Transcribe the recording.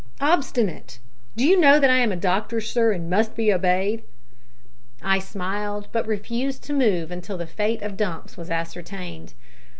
Obstinate! Do you know that I am a doctor, sir, and must be obeyed?" I smiled, but refused to move until the fate of Dumps was ascertained.